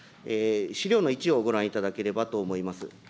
資料の１をご覧いただければと思います。